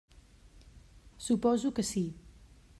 Suposo que sí.